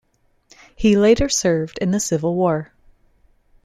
He later served in the Civil War.